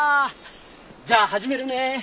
じゃあ始めるね！